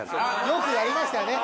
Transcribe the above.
よくやりましたよね。